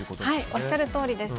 おっしゃるとおりです。